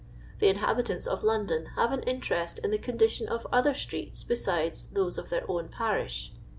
The inhabitants of London have an interest in the condition of other streets besides those of their own parish.